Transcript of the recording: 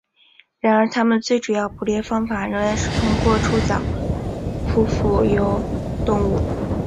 然而它们最主要的捕猎方法仍然是通过触角捕获浮游动物。